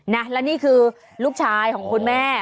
และนี่คือลูกชายของคุณแม่